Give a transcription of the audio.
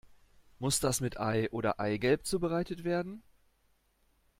Muss das mit Ei oder Eigelb zubereitet werden?